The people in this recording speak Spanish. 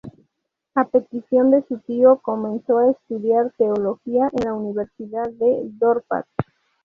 A petición de su tío comenzó a estudiar teología en la Universidad de Dorpat.